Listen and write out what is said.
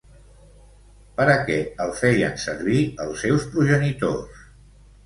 Per a què el feien servir els seus progenitors?